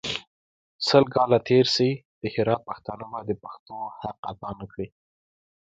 سل کاله تېر سي د هرات پښتانه به د پښتو حق اداء نکړي.